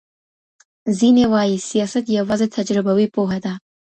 ځينې وايي سياست يوازې تجربوي پوهه ده.